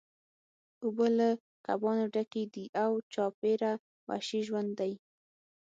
اوبه له کبانو ډکې دي او چاپیره وحشي ژوند دی